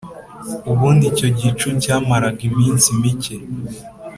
ubundi icyo gicu cyamaraga iminsi mike